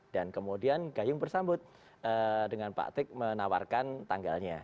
dan kemudian gayung bersambut dengan pak atik menawarkan tanggalnya